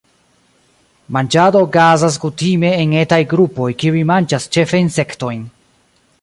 Manĝado okazas kutime en etaj grupoj kiuj manĝas ĉefe insektojn.